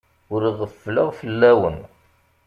Ur ɣeffleɣ fell-awen.